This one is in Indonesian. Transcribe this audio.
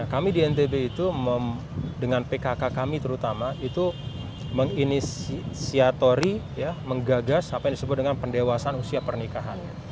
kami di ntb itu dengan pkk kami terutama itu menginisiatori menggagas apa yang disebut dengan pendewasan usia pernikahan